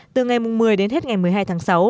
từ ngày một mươi đến hết ngày một mươi hai tháng sáu